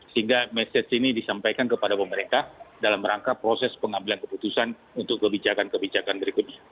sehingga mesej ini disampaikan kepada pemerintah dalam rangka proses pengambilan keputusan untuk kebijakan kebijakan berikutnya